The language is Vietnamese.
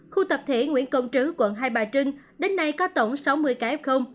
khu tập thể nguyễn công trứ quận hai bà trưng đến nay có tổng sáu mươi cái f